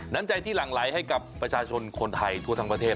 น้ำใจที่หลั่งไหลให้กับประชาชนคนไทยทั่วทั้งประเทศ